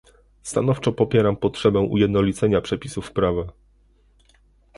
Stanowczo popieram potrzebę ujednolicenia przepisów prawa